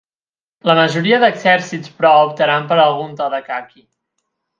La majoria d'exèrcits, però, optaran per algun to de caqui.